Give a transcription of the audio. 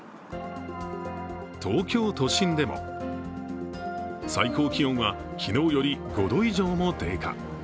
東京都心でも、最高気温は昨日より５度以上も低下。